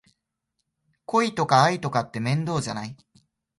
恋とか愛とかって面倒じゃない？